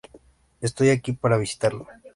Estoy aquí para visitarlo".